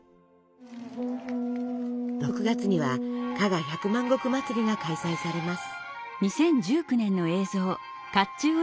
６月には加賀百万石祭りが開催されます。